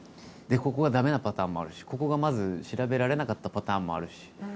でここがダメなパターンもあるしここがまず調べられなかったパターンもあるし。